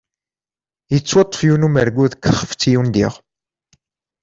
Yettwaṭṭef yiwen n umergu deg texfet i undiɣ.